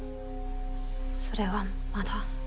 それはまだ。